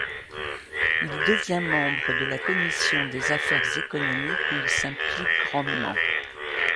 Il devient membre de la commission des affaires économiques où il s’implique grandement.